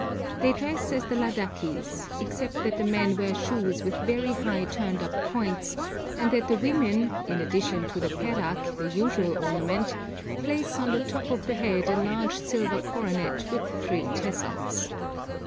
They dress as the Ladakis, except that the men wear shoes with very high turned up points, and that the women, in addition to the perak, the usual ornament, place on the top of the head a large silver coronet with three tassels.